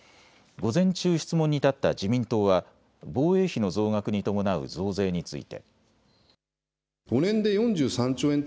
午前中質問に立った自民党は防衛費の増額に伴う増税について。